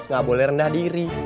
gak boleh rendah diri